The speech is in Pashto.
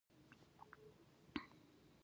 علم د انسان شعور ته وده ورکوي.